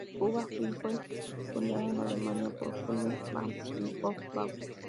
Juba Films fue fundada en Alemania por Julien Bam y Gong Bao.